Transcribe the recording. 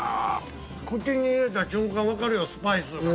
口に入れた瞬間分かるよスパイス。